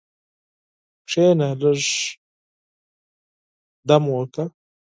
کښېنه، لږ دم وکړه.